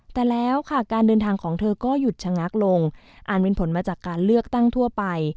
แต่แล้วค่ะการเดินทางของเธอก็หยุดชะงักลงอาจเป็นผลมาจากการเลือกตั้งทั่วไป